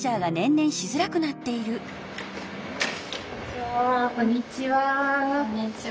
こんにちは。